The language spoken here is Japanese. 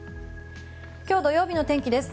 今日、土曜日の天気です。